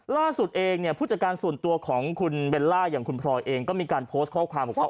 ล่าสุดเองเนี่ยผู้จัดการส่วนตัวของคุณเบลล่าอย่างคุณพลอยเองก็มีการโพสต์ข้อความบอกว่า